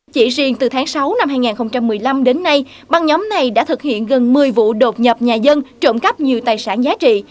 chỉ riêng từ tháng sáu năm hai nghìn một mươi năm đến nay băng nhóm này đã thực hiện gần một mươi vụ đột nhập nhà dân trộm cắp nhiều tài sản giá trị